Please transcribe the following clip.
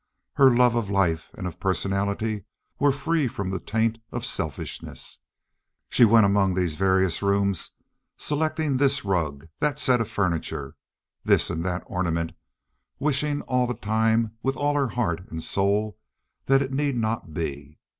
Her love of life and of personality were free from the taint of selfishness. She went about among these various rooms selecting this rug, that set of furniture, this and that ornament, wishing all the time with all her heart and soul that it need not be.